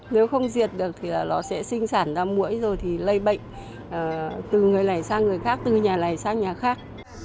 nếu không diệt được thì là nó sẽ sinh sản ra mũi rồi thì lây bệnh từ người này sang người khác từ nhà này sang nhà khác